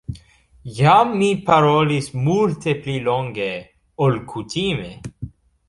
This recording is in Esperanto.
Jam mi parolis multe pli longe, ol kutime.